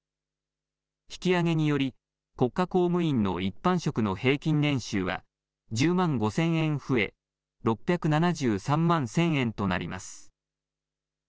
引き上げにより国家公務員の一般職の平均年収は１０万５０００円増え６７３万１０００円となります。